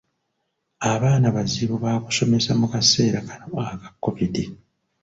Abaana bazibu baakusomesa mu kaseera kano aka COVID.